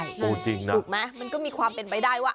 ถูกไหมมันก็มีความเป็นไปได้ว่า